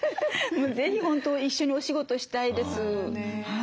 もう是非本当一緒にお仕事したいです。